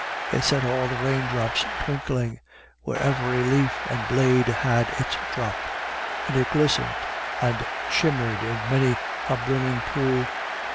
It set all the raindrops twinkling, where every leaf and blade had its drop ; and it glistened and shimmered in many a brimming pool.